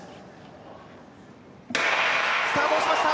スタートしました。